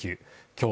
今日